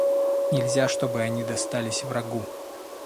Нельзя, чтобы они достались врагу.